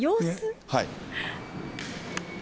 はい。